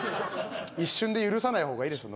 一瞬で許さない方がいいですよ